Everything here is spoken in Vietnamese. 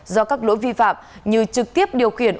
do các lỗi vi phạm như trực tiếp điều khiển